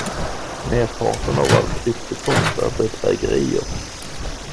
Merparten av all kryptokonst är bedrägerier.